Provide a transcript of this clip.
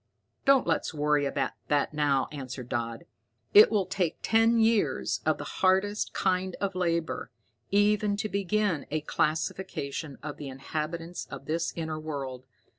"Don't let's worry about that now," answered Dodd. "It will take ten years of the hardest kind of labor even to begin a classification of the inhabitants of this inner world.